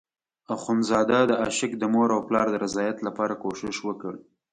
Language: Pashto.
اخندزاده د عاشق د مور او پلار د رضایت لپاره کوشش وکړ.